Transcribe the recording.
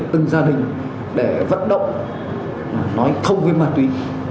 từng gia đình để vận động nói không với ma túy